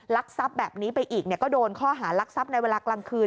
ลักซับแบบนี้ไปอีกก็โดนค่อหารักซับในเวลากลางคืน